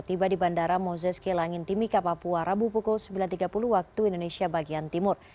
tiba di bandara moseski langin timika papua rabu pukul sembilan tiga puluh waktu indonesia bagian timur